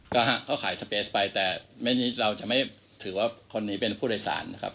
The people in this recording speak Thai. ก็เขาขายสเปสไปแต่เราจะไม่ถือว่าคนนี้เป็นผู้โดยสารนะครับ